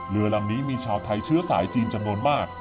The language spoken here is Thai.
เรือลำนี้มีชาวไทยเชื้อสายจีนจำนวนมาก